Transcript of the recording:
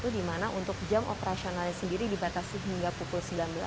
di mana untuk jam operasionalnya sendiri dibatasi hingga pukul sembilan belas